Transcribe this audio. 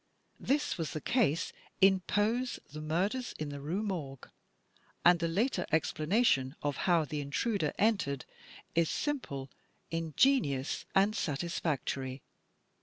This was the case in Poe's "The Murders in the Rue Morgue," and the later explanation of how the intruder entered is simple, ingenious, and satisfactory.